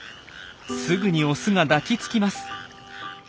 すぐにオスが抱きつきます。